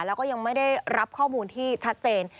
แล้วก็ยังไม่ได้รับข้อมูลที่ชัดเจน